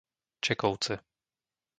Čekovce